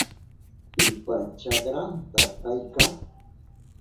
¿Pipa chakranta kayka?